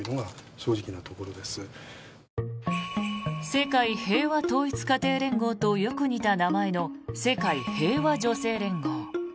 世界平和統一家庭連合とよく似た名前の世界平和女性連合。